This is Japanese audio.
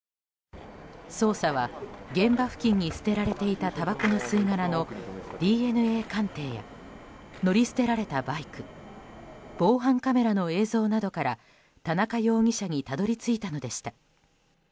捜査は現場付近に捨てられていたたばこの吸い殻のＤＮＡ鑑定や乗り捨てられたバイク防犯カメラの映像などから田中容疑者にたどり着いたのでした。